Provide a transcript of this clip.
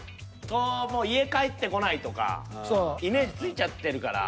家帰ってこないとかイメージついちゃってるから。